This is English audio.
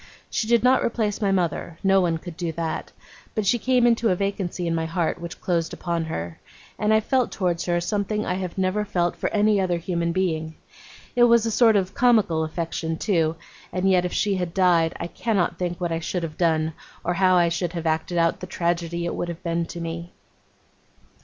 She did not replace my mother; no one could do that; but she came into a vacancy in my heart, which closed upon her, and I felt towards her something I have never felt for any other human being. It was a sort of comical affection, too; and yet if she had died, I cannot think what I should have done, or how I should have acted out the tragedy it would have been to me.